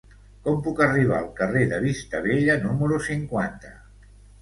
Com puc arribar al carrer de Vista Bella número cinquanta?